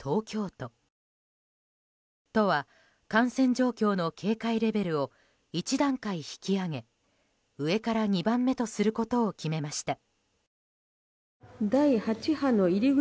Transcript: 都は感染状況の警戒レベルを１段階引き上げ上から２番目とすることを決めました。